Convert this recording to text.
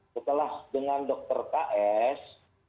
setelah dengan dokter ks